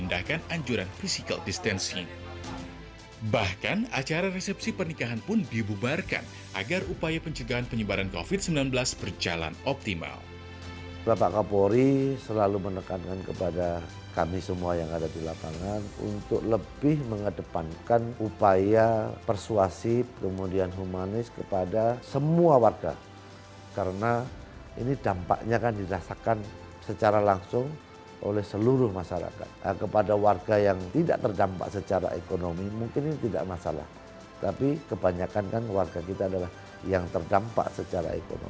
edukasi perilaku hidup bersih dan sehat pun terus dilakukan agar masyarakat mampu memproteksi diri dari penyebaran virus corona